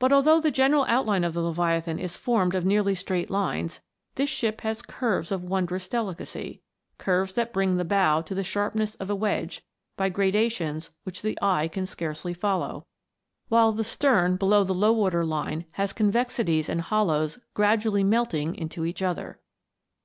But although the general outline of the Leviatlian is formed of nearly straight lines, this ship has curves of wondrous delicacy curves that bring the bow to the sharpness of a wedge, by gra dations which the eye can scarcely follow, while the stern below the low water line has convexities and hollows gradually melting into each other.